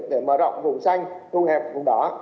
để mở rộng vùng xanh thu hẹp vùng đỏ